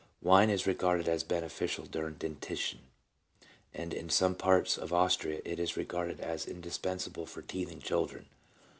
Wine is regarded as beneficial during dentition, and in some parts of Austria it is regarded as indispensable for teething children.